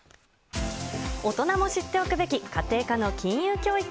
大人も知っておくべき家庭科の金融教育。